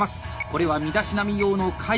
これは身だしなみ用の懐紙。